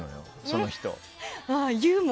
その人は。